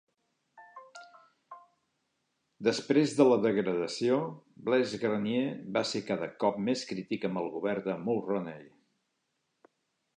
Després de la degradació, Blais-Grenier va ser cada cop més crític amb el govern de Mulroney.